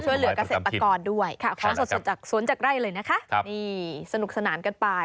ฟรรภาพประสามทิศอยู่เหลือเกษตรปักกรด้วยค่ะศวนจากไร่เลยนะคะนี่สนุกสนานกันไป